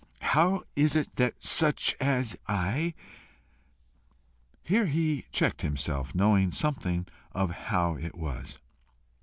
"How is it that such as I " Here he checked himself, knowing something of how it was.